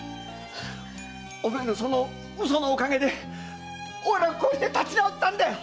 お前のその嘘のおかげでおいらこうして立ち直ったんだよ！